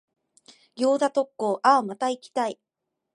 餃子特講、あぁ、また行きたい。